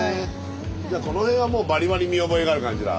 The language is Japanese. じゃあこの辺はもうバリバリ見覚えがある感じだ？